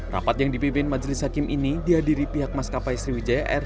rapat yang dipimpin majelis hakim ini dihadiri pihak maskapai sriwijaya air